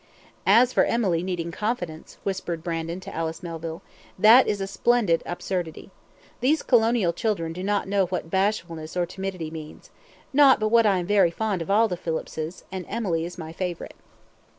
"As for Emily needing confidence," whispered Brandon to Alice Melville, "that is a splendid absurdity. These colonial children do not know what bashfulness or timidity means not but what I am very fond of all the Phillipses, and Emily is my favourite."